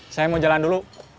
saya mau jalan dulu